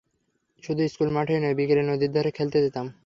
শুধু স্কুলে মাঠেই নয়, বিকেলে নদীর ধারে খেলতে যেতাম।